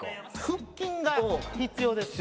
腹筋が必要です。